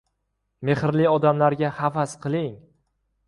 • Mehrli odamlarga havas qiling.